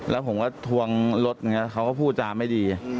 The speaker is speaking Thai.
แล้วผมก็ทวงรถเขาก็พูดจาไม่ดี